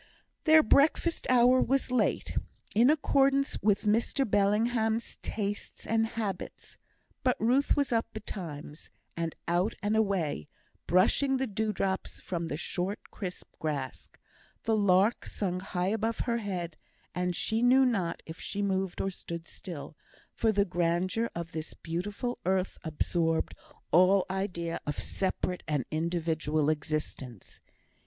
Their breakfast hour was late, in accordance with Mr Bellingham's tastes and habits; but Ruth was up betimes, and out and away, brushing the dew drops from the short crisp grass; the lark sung high above her head, and she knew not if she moved or stood still, for the grandeur of this beautiful earth absorbed all idea of separate and individual existence.